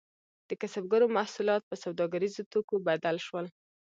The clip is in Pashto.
د کسبګرو محصولات په سوداګریزو توکو بدل شول.